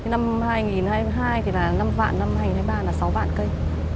năm hai nghìn hai mươi hai thì là năm vạn năm hai nghìn hai mươi ba là sáu vạn cây